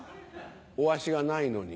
お足がないのに。